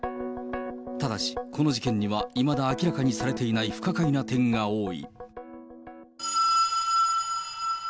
ただし、この事件にはいまだ明らかにされていない不可解な点が多い。